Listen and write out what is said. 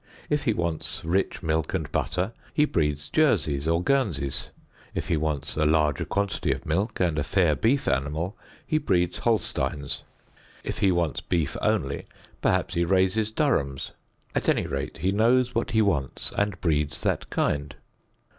If he wants rich milk and butter, he breeds Jerseys or Guernseys. If he wants a larger quantity of milk and a fair beef animal, he breeds Holsteins. If he wants beef only, perhaps he raises Durhams. At any rate he knows what he wants and breeds that kind.